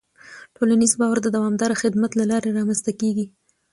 ټولنیز باور د دوامداره خدمت له لارې رامنځته کېږي.